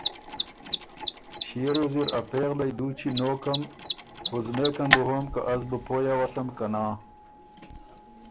ݭيې ریوز اِر ا پېغلئ دُوچی نوکم، وُزمېکن بُو هوم که از بُو پوی اؤسم که نا۔